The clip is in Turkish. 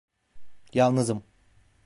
Yalnızım.